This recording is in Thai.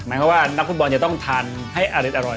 หมายความว่านักฟุตบอลจะต้องทานให้อร่อย